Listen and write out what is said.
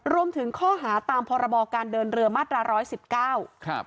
รวมถึงข้อหาตามพรบอการเดินเรือมาตรา๑๑๙